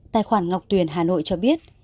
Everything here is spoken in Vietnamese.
tài khoản ngọc tuyền hà nội cho biết